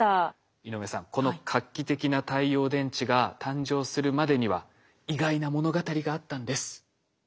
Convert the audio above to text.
井上さんこの画期的な太陽電池が誕生するまでには意外な物語があったんです。